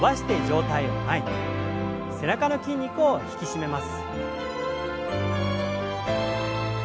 背中の筋肉を引き締めます。